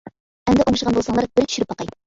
ئەمدى ئوڭشىغان بولساڭلار بىر چۈشۈرۈپ باقاي.